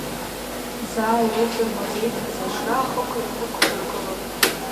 Заа ирыздырмазеихьаз ажра ахықә ианнықәдыргыла…